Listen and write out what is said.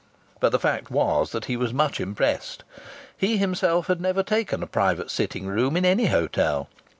But the fact was that he was much impressed. He himself had never taken a private sitting room in any hotel.